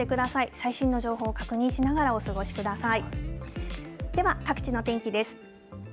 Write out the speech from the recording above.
最新の情報を確認しながらお過ごしください。